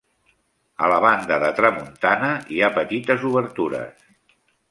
A la banda de tramuntana hi ha petites obertures.